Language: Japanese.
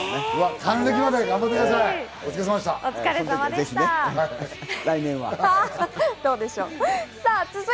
還暦まで頑張ってください。